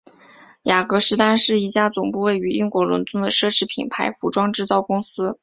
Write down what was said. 雅格狮丹是一家总部位于英国伦敦的奢侈品牌服装制造公司。